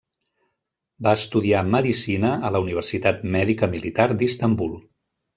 Va estudiar Medicina a la Universitat Mèdica Militar d'Istanbul.